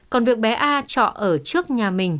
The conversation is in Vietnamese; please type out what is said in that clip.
còn việc bé a trọ ở trước nhà mình